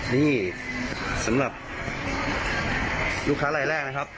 นี่สำหรับลูกค้ารายแรกนะครับ